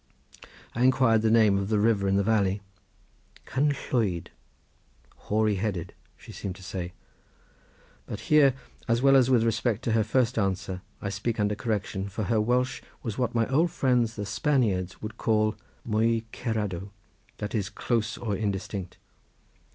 I inquired the name of the river in the valley. Cynllwyd, hoary headed, she seemed to say; but here as well as with respect to her first answer I speak under correction, for her Welsh was what my old friends the Spaniards would call muy cerrado, that is close or indistinct.